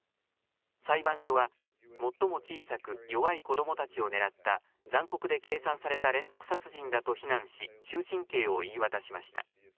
裁判所は最も小さく弱い子どもたちを狙った残酷で計算された連続殺人だと非難し終身刑を言い渡しました。